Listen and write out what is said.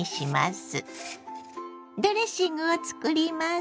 ドレッシングを作ります。